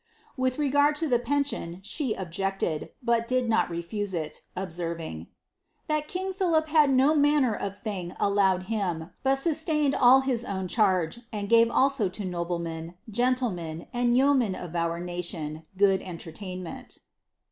With regard to the pension, she objected, but did not refi observing, " that king Philip had no manner of thing allowed hir sustained all his own charge, and gave also to noblemen, genlleme yeomen of our nation good entertainment."